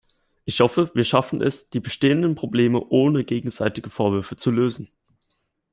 Ich hoffe, wir schaffen es, die bestehenden Probleme ohne gegenseitige Vorwürfe zu lösen.